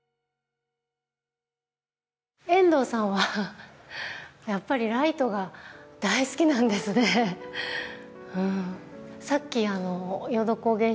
遠藤さんはやっぱりライトが大好きなんですねうん。